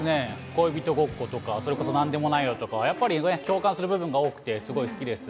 恋人ごっことか、それこそ、なんでもないよ、とか、やっぱりね、共感する部分が多くて、すごい好きです。